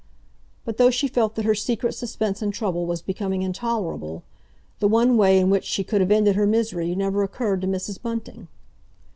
But though she felt that her secret suspense and trouble was becoming intolerable, the one way in which she could have ended her misery never occurred to Mrs. Bunting.